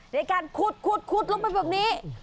ในการขุดลงไปแบบนี้